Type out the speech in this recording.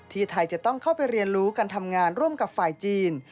ไทยจะต้องเข้าไปเรียนรู้การทำงานร่วมกับฝ่ายจีน